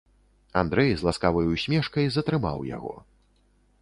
Андрэй з ласкавай усмешкай затрымаў яго.